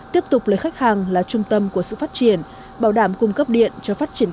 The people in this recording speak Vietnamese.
tiếp tục lấy khách hàng là trung tâm của sự phát triển bảo đảm cung cấp điện cho phát triển